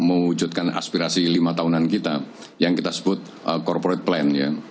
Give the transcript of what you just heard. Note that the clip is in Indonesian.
mewujudkan aspirasi lima tahunan kita yang kita sebut corporate plan ya